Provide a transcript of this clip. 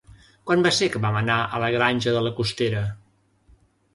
Quan va ser que vam anar a la Granja de la Costera?